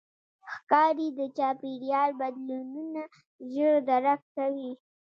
ښکاري د چاپېریال بدلونونه ژر درک کوي.